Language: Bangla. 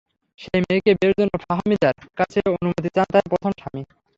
সেই মেয়েকে বিয়ের জন্য ফাহমিদার কাছে অনুমতি চান তাঁর প্রথম স্বামী।